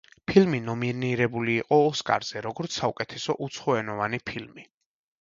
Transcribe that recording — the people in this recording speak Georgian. ფილმი ნომინირებული იყო ოსკარზე, როგორც საუკეთესო უცხოენოვანი ფილმი.